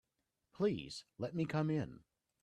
Please let me come in.